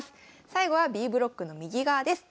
最後はＢブロックの右側です。